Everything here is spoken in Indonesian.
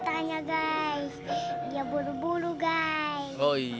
dia buru buru guys